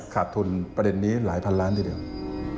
ขาดทุนประเด็นนี้หลายพันล้านทีเดียว